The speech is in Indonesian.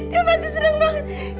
dia masih seneng banget